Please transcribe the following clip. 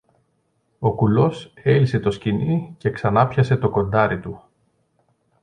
Ο κουλός έλυσε το σκοινί και ξανάπιασε το κοντάρι του